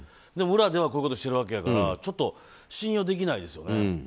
でも裏ではこういうことをしているわけだからちょっと信用できないですよね。